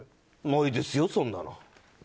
ないですよ、そんなの。